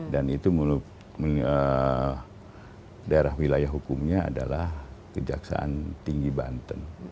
dan itu menurut daerah wilayah hukumnya adalah kejaksaan tinggi banten